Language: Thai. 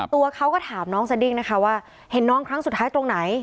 ตัวเขาก็ถามน้องสดิ้งนะคะว่าเห็นน้องครั้งสุดท้ายตรงไหน